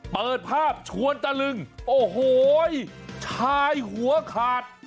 เปิดภาพชวนตะลึงโอ้โหชายหัวขาด